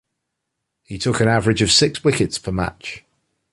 He took an average of six wickets per match.